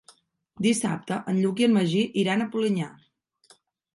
Dissabte en Lluc i en Magí iran a Polinyà.